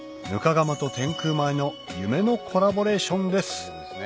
釜と天空米の夢のコラボレーションです